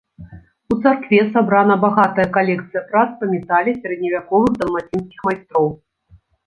У царкве сабрана багатая калекцыя прац па метале сярэдневяковых далмацінскіх майстроў.